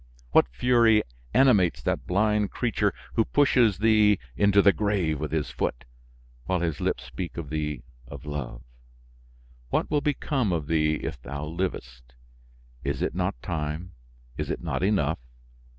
What fury animates that blind creature who pushes thee into the grave with his foot, while his lips speak to thee of love? What will become of thee if thou livest! Is it not time? Is it not enough?